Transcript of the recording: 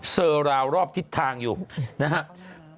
เซอร์ราวรอบทิศทางอยู่นะครับ